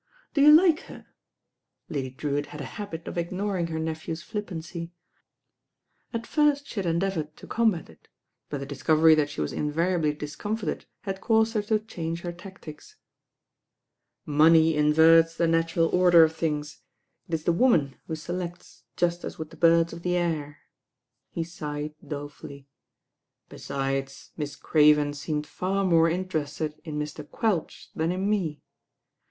"Do you like her?" Lady Drewitt had a habit of ignoring her nephew's flippancy. At first she had endeavoured to combat it; but the discovery that she was invariably discomfited had caused her to change her tactics. V LORD DREWITT ON liARRUGE 187 "Money invertt the natural order of things. It ii the woman who aelcctf, just as with the birds of the air," he sighed dolefully; "besides, Miss Craven •eemed far more interested in Mr. Quelch than in me.